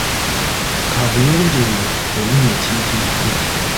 Kaabuyonjo eyo ewunya ekiyitiridde.